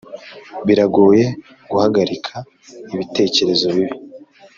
biragoye guhagarika ibitekerezo bibi;